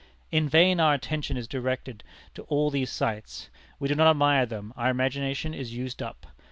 In vain our attention is directed to all these sights; we do not admire them; our imagination is used up.